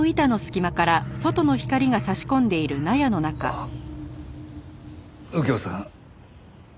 あっ右京さん。